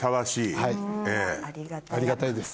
はいありがたいです。